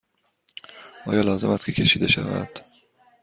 آیا لازم است که کشیده شود؟